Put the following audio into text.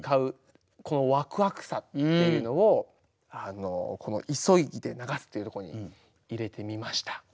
このワクワクさっていうのをこの「急ぎて流す」というところに入れてみました。